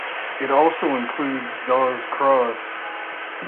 It also includes Daw's Cross.